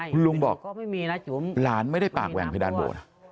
คุณลุงบอกหลานไม่ได้ปากแหว่งเพดานโบสถ์